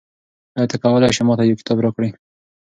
آیا ته کولای شې ما ته یو کتاب راکړې؟